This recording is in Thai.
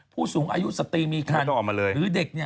ผู้สูงอายุสตรีมีคันหรือเด็ก